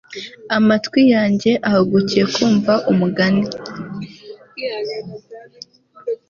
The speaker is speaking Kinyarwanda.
amatwi yanjye ahugukiye kumva umugani